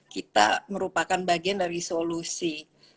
kita merupakan bagian dari solusi